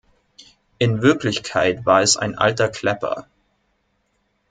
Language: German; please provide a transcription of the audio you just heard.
In Wirklichkeit war es ein alter Klepper.